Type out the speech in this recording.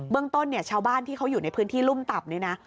เรื่องต้นเนี่ยชาวบ้านที่เขาอยู่ในพื้นที่รุ่มต่ำนี่นะ